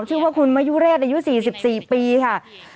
ชื่อว่าคุณมะยุเรศอายุ๔๔ปีค่ะ